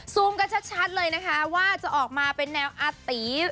กันชัดเลยนะคะว่าจะออกมาเป็นแนวอาตี